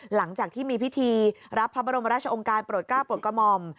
หลังจากที่มีพิธีรับพระบรมราชองค์การโปรดก้าวโปรดกระหม่อม